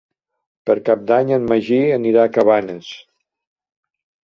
Per Cap d'Any en Magí anirà a Cabanes.